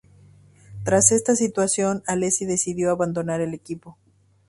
Tras está situación Alesi decidió abandonar el equipo.